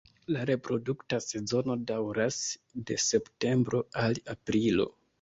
La reprodukta sezono daŭras de septembro al aprilo.